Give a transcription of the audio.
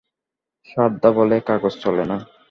সারদা বলে, কাগজ চলে না।